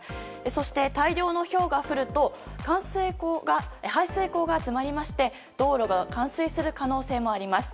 そして大量のひょうが降ると排水溝が詰まりまして道路が冠水する可能性もあります。